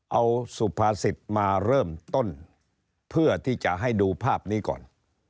เอาสุภาษิตมาเริ่มต้นเพื่อที่จะให้ดูภาพนี้ก่อน